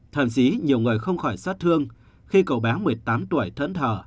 thậm chí nhiều người không khỏi xót thương khi cậu bé một mươi tám tuổi thẫn thở